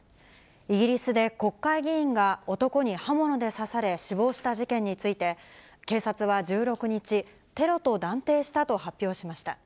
イギリスで国会議員が男に刃物で刺され、死亡した事件について、警察は１６日、テロと断定したと発表しました。